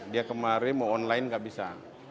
dia kemarin mau online nggak bisa